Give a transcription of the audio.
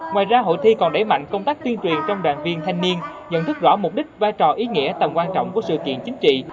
ngoài ra hội thi còn đẩy mạnh công tác tuyên truyền trong đoàn viên thanh niên nhận thức rõ mục đích vai trò ý nghĩa tầm quan trọng của sự kiện chính trị